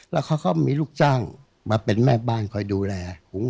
พวกอาจารย์ทุกคน